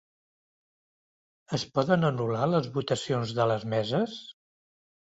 Es poden anul·lar les votacions de les meses?